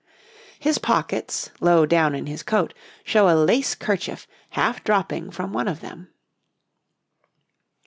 His pockets, low down in his coat, show a lace kerchief half dropping from one of them.